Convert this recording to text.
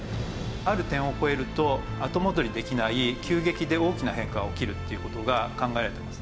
ある点を超えるとあと戻りできない急激で大きな変化が起きるっていう事が考えられています。